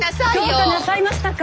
どうかなさいましたか？